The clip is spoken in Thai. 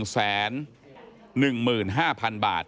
๑แสน๑๕๐๐๐บาท